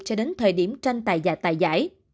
cho đến thời điểm tranh tài giả tài giải